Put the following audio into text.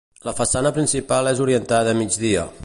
La façana principal és orientada a migdia.